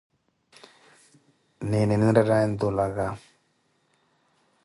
Nini eni enrettaaye ntuulwaka?